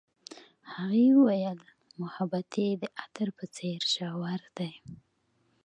هغې وویل محبت یې د عطر په څېر ژور دی.